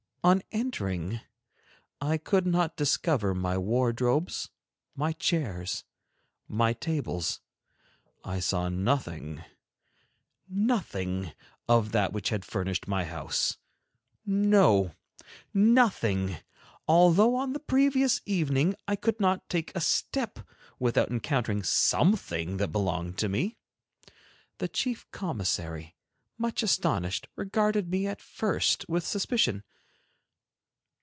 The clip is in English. On entering, I could not discover my wardrobes, my chairs, my tables; I saw nothing, nothing of that which had furnished my house, no, nothing, although on the previous evening, I could not take a step without encountering something that belonged to me. The chief commissary, much astonished, regarded me at first with suspicion.